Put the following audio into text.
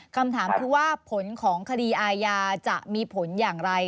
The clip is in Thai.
คำถามคือว่าผลของคดีอาญาจะมีผลอย่างไร